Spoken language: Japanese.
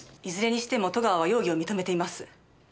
いずれにしても戸川は容疑を認めています。